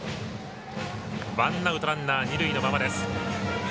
ワンアウトランナー、二塁のまま。